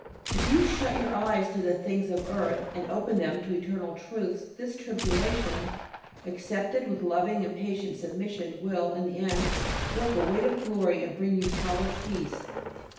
If you shut your eyes to the things of earth and open them to eternal truths this tribulation, accepted with loving and patient submission, will, in the end, work a weight of glory and bring you solid peace.